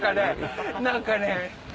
何かね。